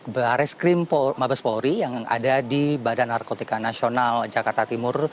baris krim mabes polri yang ada di badan narkotika nasional jakarta timur